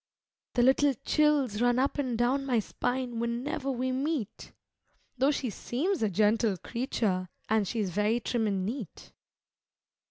The little chills run up and down my spine whene'er we meet, Though she seems a gentle creature, and she's very trim and neat.